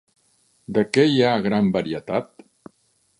De què hi ha gran varietat?